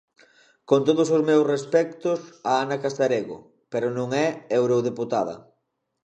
Con todos os meus respectos a Ana Casarego, pero non é eurodeputada.